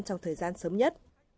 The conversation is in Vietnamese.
trong thời gian sớm nhất